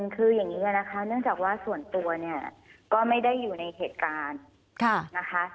คืออย่างนี้นะคะเนื่องจากว่าส่วนตัวเนี่ยก็ไม่ได้อยู่ในเหตุการณ์นะคะ